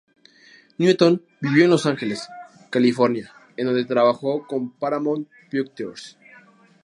Newton vivió en Los Ángeles, California en donde trabajó con Paramount Pictures.